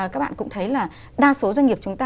các bạn cũng thấy là đa số doanh nghiệp chúng ta